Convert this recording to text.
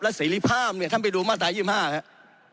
และสิริภาพเนี้ยท่านไปดูมาตรายยี่สิบห้าครับ